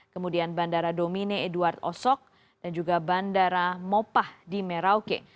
kemudian bandara domine edward osok dan juga bandara mopah di merauke